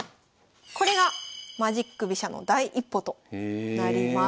これがマジック飛車の第一歩となります。